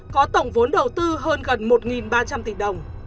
có tổng vốn đầu tư hơn gần một ba trăm linh tỷ đồng